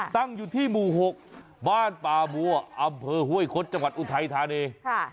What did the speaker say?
ตั้งอยู่ที่หมู่๖บ้านป่าบัวอำเภอห้วยคดจังหวัดอุทัยธานี